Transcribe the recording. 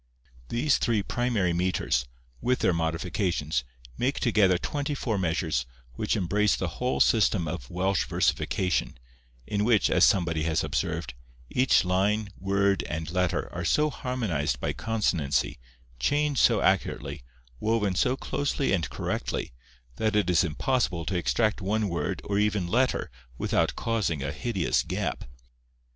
These three primary metres, with their modifications, make together twenty four measures, which embrace the whole system of Welsh versification, in which, as somebody has observed, each line, word, and letter, are so harmonized by consonancy, chained so accurately, woven so closely and correctly, that it is impossible to extract one word or even letter without causing a hideous gap.